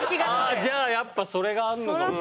あじゃあやっぱそれがあんのかもしれない。